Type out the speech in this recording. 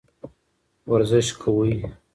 ورزش کوئ.